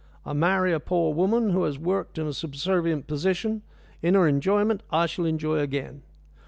I marry a poor woman who has worked in a subservient position; in her enjoyment I shall enjoy again.